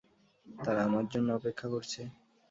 তারা আমার জন্য অপেক্ষা করছে।